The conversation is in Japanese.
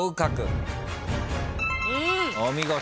お見事。